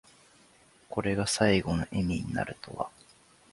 これが最期の笑みになるとは。